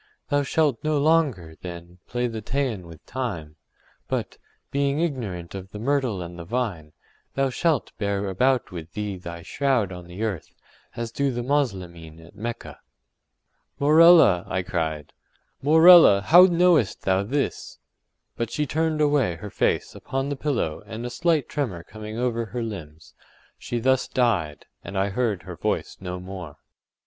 Thou shalt no longer, then, play the Teian with time, but, being ignorant of the myrtle and the vine, thou shalt bear about with thee thy shroud on the earth, as do the Moslemin at Mecca.” “Morella!” I cried, “Morella! how knowest thou this?” but she turned away her face upon the pillow and a slight tremor coming over her limbs, she thus died, and I heard her voice no more.